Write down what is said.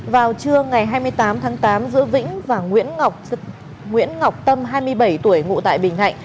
vào trưa ngày hai mươi tám tháng tám giữa vĩnh và nguyễn ngọc tâm hai mươi bảy tuổi ngụ tại bình thạnh